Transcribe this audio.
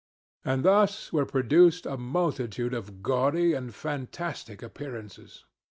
And thus were produced a multitude of gaudy and fantastic appearances.